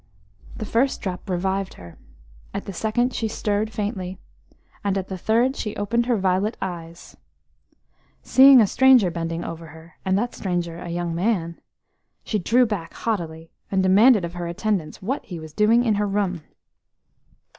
HE first drop revived her; at the second she stirred faintly, and at the third she opened her violet eyes. Seeing a stranger bending over her, and that stranger a young man, she drew back haughtily, and demanded of her attendants what he was doing in her room.